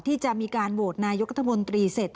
ที่จะมีการโหวตนายกรัฐมนตรีเสร็จ